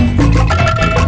masih gak diangkat